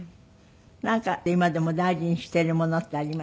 なんか今でも大事にしてるものってあります？